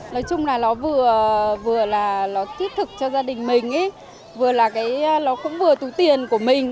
nói chung là nó vừa là nó thiết thực cho gia đình mình vừa là cái nó cũng vừa túi tiền của mình